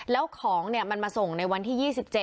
แล้วของมันมาส่งในวันที่๒๗